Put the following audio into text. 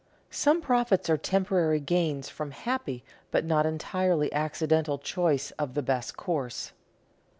_Some profits are temporary gains from happy but not entirely accidental choice of the best course.